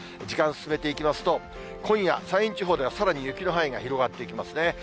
時間進めていきますと、今夜、山陰地方ではさらに雪の範囲が広がっていきますね。